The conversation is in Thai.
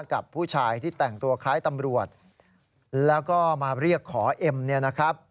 กับผู้ชายที่แต่งตัวคล้ายตำรวจแล้วก็มาเรียกขอเอ็มเนี่ยนะครับ